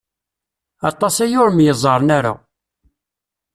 Aṭas aya ur myeẓren ara.